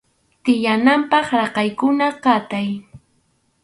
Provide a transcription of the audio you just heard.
Tiyanapaq raqaykuna qatay.